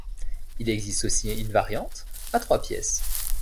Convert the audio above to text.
Il existe aussi un variante à trois pièces.